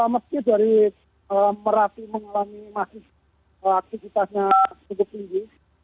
meski dari merapi mengalami masih aktivitasnya cukup tinggi